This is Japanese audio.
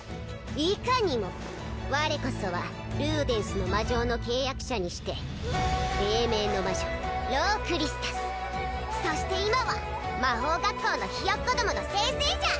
いかにも我こそはルーデンスの魔杖の契約者にして黎明の魔女ロー・クリスタスそして今は魔法学校のひよっこどもの先生じゃ！